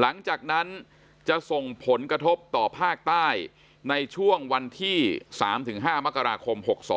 หลังจากนั้นจะส่งผลกระทบต่อภาคใต้ในช่วงวันที่๓๕มกราคม๖๒